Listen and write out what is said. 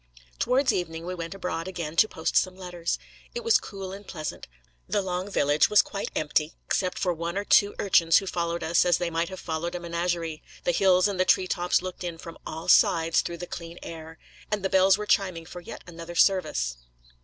Towards evening, we went abroad again to post some letters. It was cool and pleasant; the long village was quite empty, except for one or two urchins who followed us as they might have followed a menagerie; the hills and the tree tops looked in from all sides through the clear air; and the bells were chiming for yet another service.